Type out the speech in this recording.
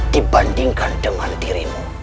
dibandingkan dengan dirimu